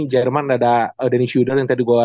jerman ada danny schudel yang tadi gue